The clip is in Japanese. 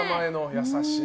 優しい。